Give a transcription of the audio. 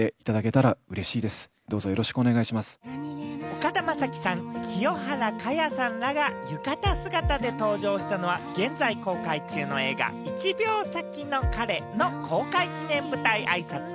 岡田将生さん、清原果耶さんらが浴衣姿で登場したのは、現在公開中の映画『１秒先の彼』の公開記念舞台あいさつ。